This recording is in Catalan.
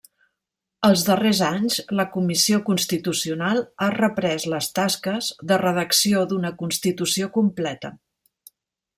Els darrers anys, la comissió constitucional ha reprès les tasques de redacció d'una constitució completa.